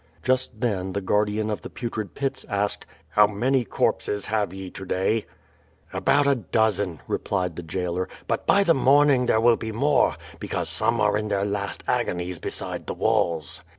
Just then the guardian of the Putrid Pits asked: "How many corpses have ye to day ?'* "About a dozen/^ replied the jailer, "but by the morning there will be more, because some are in their last agonies beside the walls."